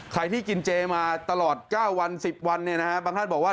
ใครที่กินเจมาตลอด๙วัน๑๐วันบางท่านบอกว่า